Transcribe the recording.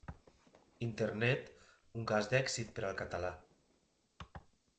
Internet, un cas d'èxit per al català.